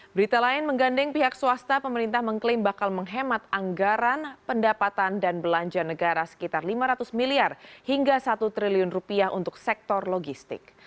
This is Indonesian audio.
berita lain menggandeng pihak swasta pemerintah mengklaim bakal menghemat anggaran pendapatan dan belanja negara sekitar lima ratus miliar hingga satu triliun rupiah untuk sektor logistik